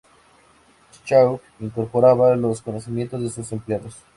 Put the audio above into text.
Schaub incorporaba los conocimientos de sus Empleados.